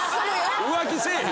浮気せえへんやろ。